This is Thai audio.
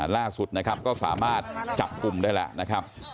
ล่าสุดนะครับก็สามารถจับกลุ่มได้แล้วนะครับ